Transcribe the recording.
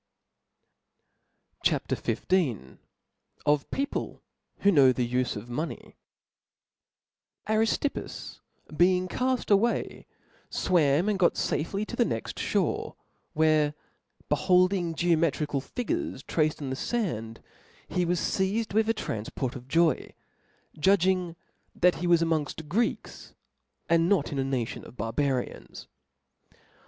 CHAP. XV. Of People ^^ho know the Vfe of Money, ARISTIPPUS being caft away, fwam and •^^ got fafe to the next (bore •, where Jbeholding geometrical figures traced in the fand, he was feiz ed with a tranfport of joy, judging that he was amongft Greeks, and not in a n;itiQa of barba rians.